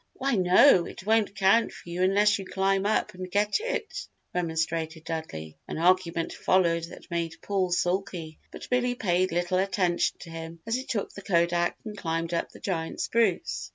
"Why, no, it won't count for you unless you climb up and get it," remonstrated Dudley. An argument followed that made Paul sulky but Billy paid little attention to him as he took the kodak and climbed up the giant spruce.